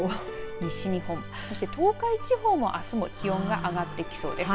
西日本とそして東海地方もあすは気温が上がってきそうです。